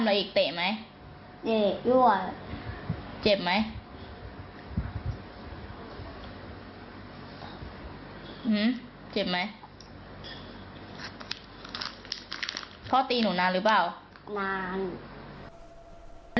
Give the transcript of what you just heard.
อืมเจ็บไหมท่อตีหนูนานรึเปล่านาน